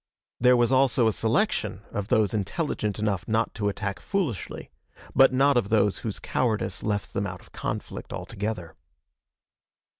There was also a selection of those intelligent enough not to attack foolishly, but not of those whose cowardice left them out of conflict altogether.